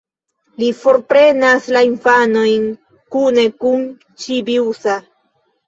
Li forprenas infanojn kune kun Ĉibi-usa.